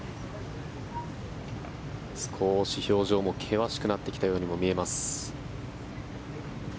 少し表情も険しくなってきたようにも見えます。